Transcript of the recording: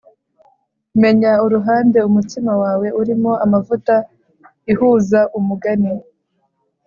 menya uruhande umutsima wawe urimo amavuta ihuza umugani